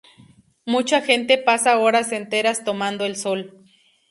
Mucha gente pasa horas enteras tomando el sol.